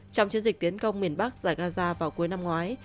trong chiến dịch tiến công miền bắc giải gaza vào cuối năm ngoái